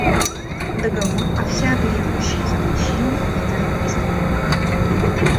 Договор о всеобъемлющем запрещении ядерных испытаний.